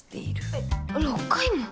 えっ６回も？